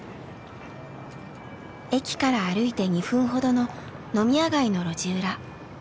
駅から歩いて２分ほどの飲み屋街の路地裏。